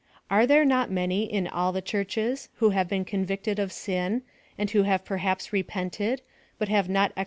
ctifi • Are there not many m all the churches who have been con victed of sin, and who have perhaps repented, but have not ex ^.